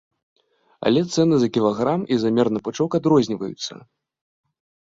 Але цэны за кілаграм і за мерны пучок адрозніваюцца.